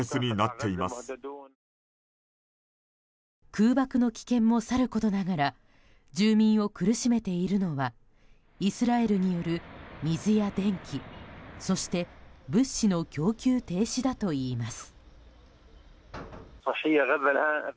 空爆の危険も去ることながら住民を苦しめているのはイスラエルによる水や電気そして物資の供給停止だといいます。